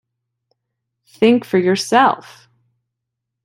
Think for yourself!